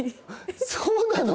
そうなの？